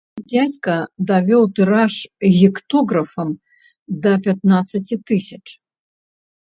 Дзядзька давёў тыраж гектографам да пятнаццаці тысяч.